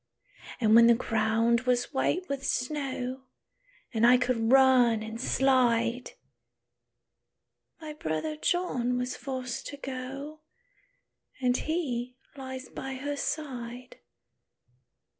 "And when the ground was white with snow, And I could run and slide, My brother John was forced to go, And he lies by her side."